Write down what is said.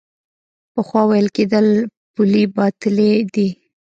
پخوا ویل کېدل پولې باطلې دي.